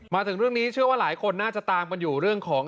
มาถึงเรื่องนี้เชื่อว่าหลายคนน่าจะตามกันอยู่เรื่องของ